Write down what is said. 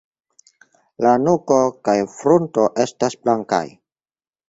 La nuko kaj frunto estas blankaj.